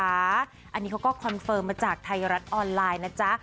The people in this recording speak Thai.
อันนี้เขาก็คอนเฟิร์มมาจากไทยรัฐออนไลน์นะจ๊ะ